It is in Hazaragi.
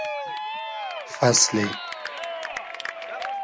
فئسلی